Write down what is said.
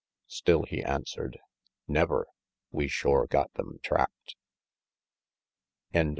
Still he answered "Never. We shore got them trapped."